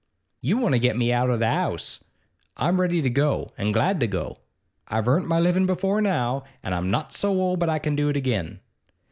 'You want to get me out o' the 'ouse. I'm ready to go, an' glad to go. I've earnt my livin' before now, an' I'm not so old but I can do it again.